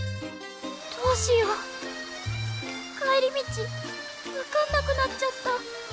どうしよう帰り道分かんなくなっちゃった。